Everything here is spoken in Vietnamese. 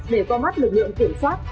để qua mắt lực lượng kiểm soát